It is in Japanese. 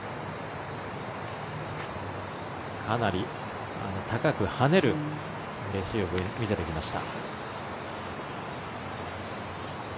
かなり高く跳ねるレシーブを見せてきました。